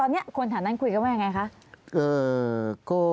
ลุงเอี่ยมอยากให้อธิบดีช่วยอะไรไหม